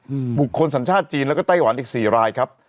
อืมบุคคลสัญชาติจีนแล้วก็ไต้หวันอีกสี่รายครับ